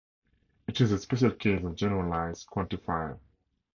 It is a special case of generalized quantifier.